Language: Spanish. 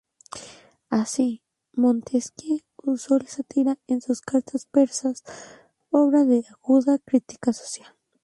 Así, Montesquieu usó la sátira en sus "Cartas Persas", obra de aguda crítica social.